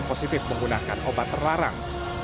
positif menggunakan obat terlarang